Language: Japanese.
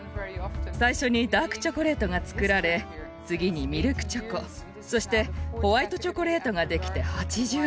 最初にダークチョコレートが作られ次にミルクチョコそしてホワイトチョコレートができて８０年。